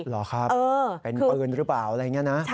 เหรอครับเป็นปืนหรือเปล่าอะไรอย่างนี้นะ